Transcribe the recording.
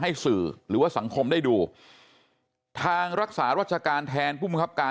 สื่อหรือว่าสังคมได้ดูทางรักษารัชการแทนผู้มังคับการ